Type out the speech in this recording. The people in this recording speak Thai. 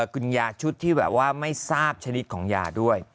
กินยาชุดที่แบบว่าไม่ทราบชนิดของยาด้วย